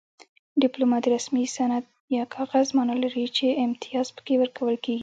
ډیپلوما د رسمي سند یا کاغذ مانا لري چې امتیاز پکې ورکول کیږي